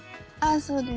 そうです。